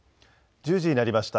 １０時になりました。